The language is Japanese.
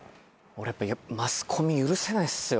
俺マスコミ許せないっすよ。